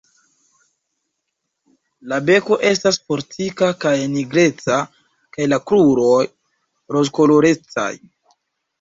La beko estas fortika kaj nigreca kaj la kruroj rozkolorecaj.